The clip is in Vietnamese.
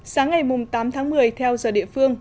sáng ngày tám tháng một mươi theo giờ địa phương